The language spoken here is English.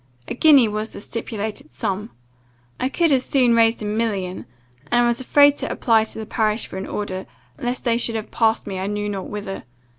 A guinea was the stipulated sum I could as soon have raised a million; and I was afraid to apply to the parish for an order, lest they should have passed me, I knew not whither.